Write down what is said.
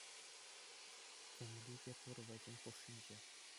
Темли те пур вӗсен хушшинче.